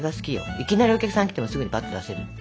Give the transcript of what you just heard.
いきなりお客さん来てもすぐにぱっと出せる。